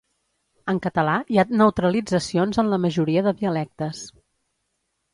En català hi ha neutralitzacions en la majoria de dialectes.